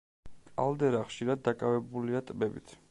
კალდერა ხშირად დაკავებულია ტბებით.